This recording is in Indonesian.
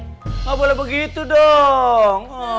nggak boleh begitu dong